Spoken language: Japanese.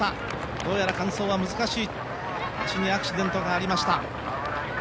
どうやら完走は難しい、足にアクシデントがありました。